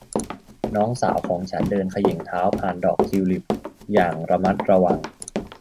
น้องสาวของฉันเดินเขย่งเท้าผ่านดอกทิวลิปอย่างระมัดระวัง